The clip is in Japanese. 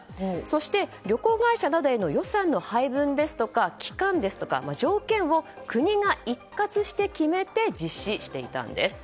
そして、旅行会社などへの予算の配分ですとか期間ですとか条件を国が一括して決めて実施していたんです。